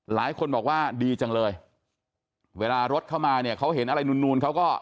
หลายคนบอกว่าดีจังเลยเวลารถเข้ามาเนี่ยเขาเห็นอะไรนูนเขาก็